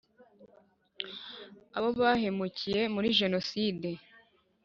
abo bahemukiye muri jenoside